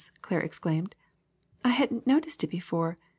Claire exclaimed. ^*I hadn't noticed it before.